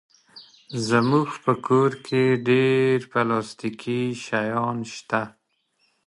زموږ په کور کې ډېر پلاستيکي شیان شته.